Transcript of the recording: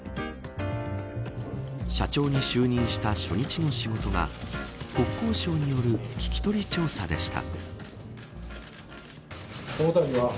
社長に就任した初日の仕事が国交省による聞き取り調査でした。